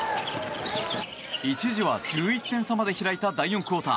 一時は１１点差まで開いた第４クオーター。